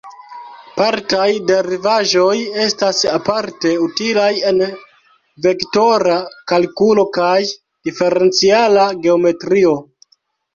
Partaj derivaĵoj estas aparte utilaj en vektora kalkulo kaj diferenciala geometrio.